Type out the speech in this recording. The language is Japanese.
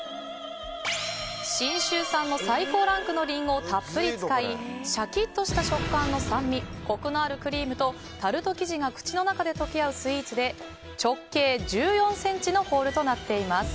信州産の最高ランクのリンゴをたっぷり使いシャキッとした食感と酸味コクのあるクリームとタルト生地が口の中で溶け合うスイーツで直径１４ｃｍのホールとなっています。